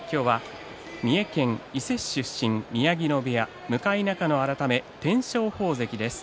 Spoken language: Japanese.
三重県伊勢市出身、宮城野部屋の向中野改め天照鵬関です。